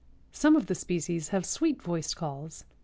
Some of the species have sweet voiced calls.